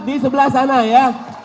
di sebelah sana ya